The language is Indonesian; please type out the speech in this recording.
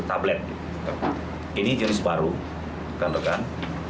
tablet ini jenis baru rekan rekan